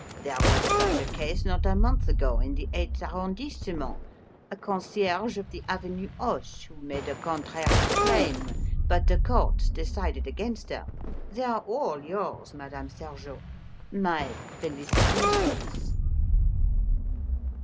There was such a case not a month ago, in the eighth arrondissement a concierge of the avenue Hoche who made a contrary claim. But the courts decided against her. They are all yours, Madame Sergeot. My felicitations!"